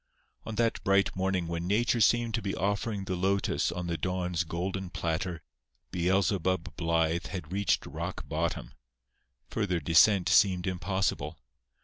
On that bright morning when Nature seemed to be offering the lotus on the Dawn's golden platter "Beelzebub" Blythe had reached rock bottom. Further descent seemed impossible.